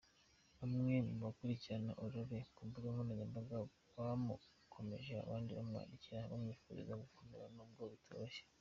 Bamwe mu bakurikirana Aurore ku mbuga nkoranyambaga bamukomeje abandi bamwandikira bamwifuriza gukomera nubwo bitoroshye.